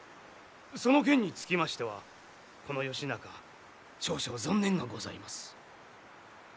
その件につきましてはこの義仲少々存念がございます。